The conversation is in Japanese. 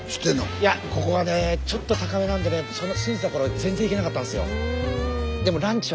いやここはねちょっと高めなんでね住んでた頃全然行けなかったんですよ。